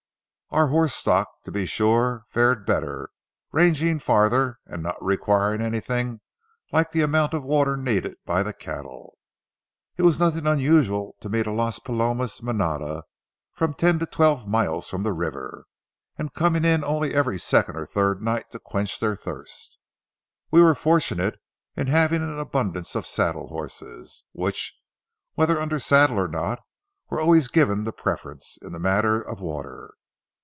Our horse stock, to be sure, fared better, ranging farther and not requiring anything like the amount of water needed by the cattle. It was nothing unusual to meet a Las Palomas manada from ten to twelve miles from the river, and coming in only every second or third night to quench their thirst. We were fortunate in having an abundance of saddle horses, which, whether under saddle or not, were always given the preference in the matter of water.